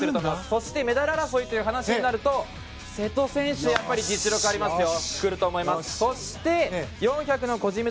そしてメダル争いという話になると瀬戸選手、実力ありますよ。